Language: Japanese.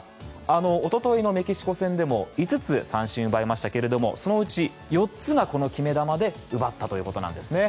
おとといのメキシコ戦でも５つ三振を奪いましたがそのうち４つがこの決め球で奪ったということです。